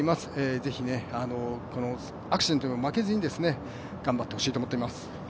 是非ね、アクシデントにも負けずに頑張ってほしいと思います。